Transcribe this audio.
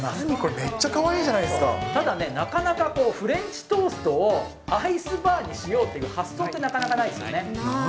めっちゃかわいいじゃないでただね、なかなかフレンチトーストをアイスバーにしようっていう発想って、ない。